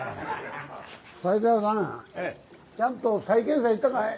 斉藤さんちゃんと再検査行ったかい？